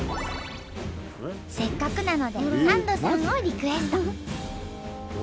せっかくなのでサンドさんをリクエスト！